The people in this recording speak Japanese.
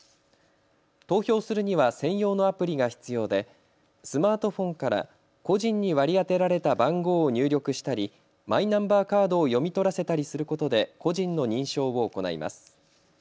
投票するには専用のアプリが必要でスマートフォンから個人に割り当てられた番号を入力したりマイナンバーカードを読み取らせたりすることで個人の認証を行います。